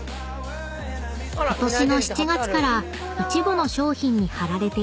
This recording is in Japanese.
［ことしの７月から一部の商品に貼られているこのシール］